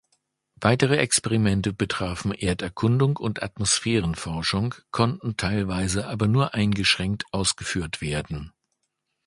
Weitere Experimente betrafen Erderkundung und Atmosphärenforschung, konnten teilweise aber nur eingeschränkt ausgeführt werden.